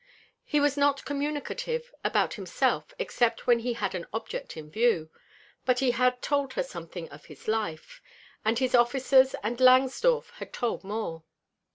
He was not communicative about himself except when he had an object in view, but he had told her something of his life, and his officers and Langsdorff had told more.